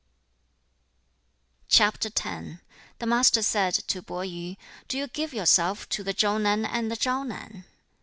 CHAP. X. The Master said to Po yu, 'Do you give yourself to the Chau nan and the Shao nan.